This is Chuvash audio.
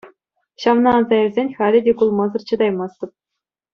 Ҫавна аса илсен, халӗ те кулмасӑр чӑтаймастӑп.